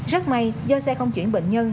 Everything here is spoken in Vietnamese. rất may do xe không chuyển bệnh nhân